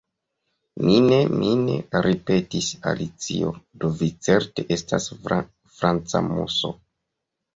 "Mine', mine'," ripetis Alicio "do vi certe estas franca Muso.